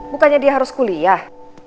bukannya dia harus kuliah